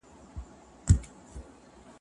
یا کږه وږه وه لاره